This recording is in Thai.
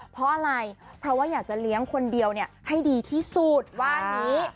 เพราะอะไรเพราะว่าอยากจะเลี้ยงคนเดียวให้ดีที่สุดว่าอย่างนี้